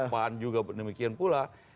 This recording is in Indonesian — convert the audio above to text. pan juga demikian pula